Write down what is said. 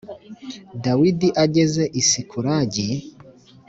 Dawidi ageze i Sikulagi